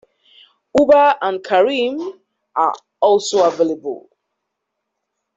Uber and Careem are also available.